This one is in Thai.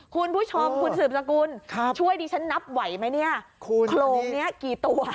คุณผู้ชมคุณสืบสกุลช่วยดิฉันนับไหวไหมเนี่ยโครงนี้กี่ตัว